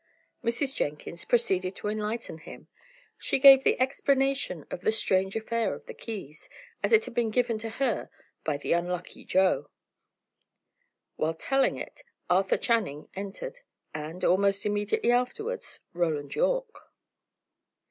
Mrs. Jenkins proceeded to enlighten him. She gave the explanation of the strange affair of the keys, as it had been given to her by the unlucky Joe. While telling it, Arthur Channing entered, and, almost immediately afterwards, Roland Yorke.